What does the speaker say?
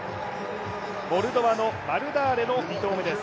モルドバのマルダーレの２投目です